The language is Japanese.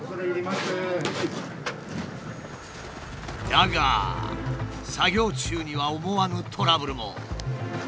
だが作業中には思わぬトラブルも。